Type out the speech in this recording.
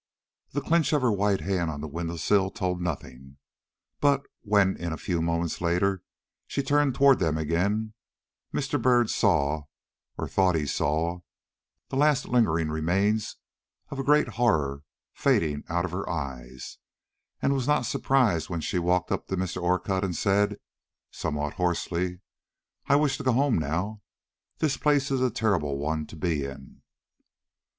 The clinch of her white hand on the window sill told nothing; but when in a few moments later she turned toward them again, Mr. Byrd saw, or thought he saw, the last lingering remains of a great horror fading out of her eyes, and was not surprised when she walked up to Mr. Orcutt and said, somewhat hoarsely: "I wish to go home now. This place is a terrible one to be in."